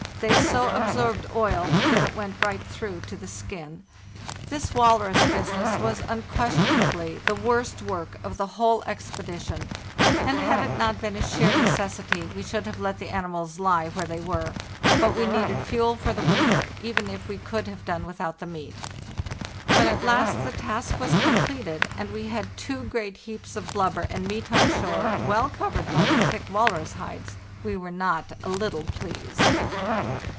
They so absorbed oil that it went right through to the skin. This walrus busi 408 FARTHEST NORTH ness was unquestionably the worst work of the whole expedition, and had it not been a sheer necessity we should have let the animals lie where they were; but we needed fuel for the winter, even if we could have done without the meat. When at last the task was completed, and we had two great heaps of blubber and meat on shore, well covered by the thick walrus hides, we were not a little pleased.